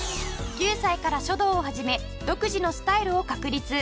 ９歳から書道を始め独自のスタイルを確立。